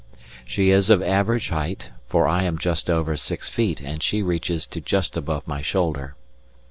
She is of average height, for I am just over six feet and she reaches to just above my shoulder.